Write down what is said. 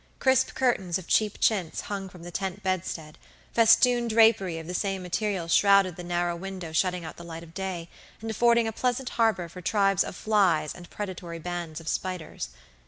Crisp curtains of cheap chintz hung from the tent bedstead; festooned drapery of the same material shrouded the narrow window shutting out the light of day, and affording a pleasant harbor for tribes of flies and predatory bands of spiders.